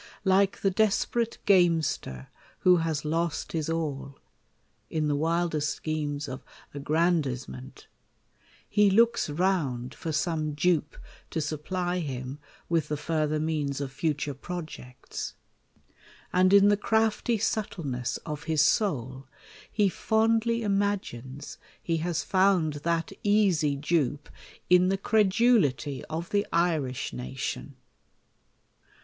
Like the desperate gamester, who has lost his a'l, in the wildest schemes of aggran dizement, he looks round for some dupe to supply him with the further means of future projects ; and in the W 2 •. crafty 246 THE COLUMBIAxN ORATOR. crafty subtleness of his soul, ho fondly imagines, he has found that easy dupe in the credulity of the Irish nation.